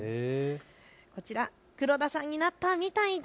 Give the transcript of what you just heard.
こちら黒田さんになったみたいだ